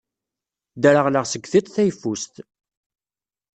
Ddreɣleɣ seg tiṭ tayeffust.